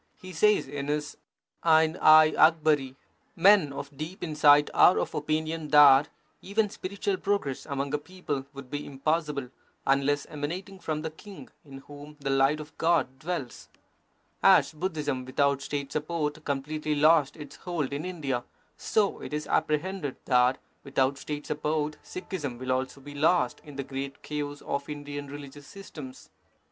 He says in his Ain i Akbari : Men of deep insight are of opinion that even spiritual progress among a people would be impossible, unless emanating from the king, in whom the light of God dwells. As Budhism without State support completely lost its hold in India, so it is apprehended that without State sup port Sikhism will also be lost in the great chaos of Indian religious systems.